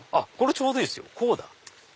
ちょうどいいっすよこうだ。